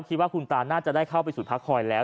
คิดว่าคุณตาน่าจะได้เข้าไปสุดพักคอยแล้ว